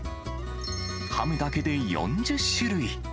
ハムだけで４０種類。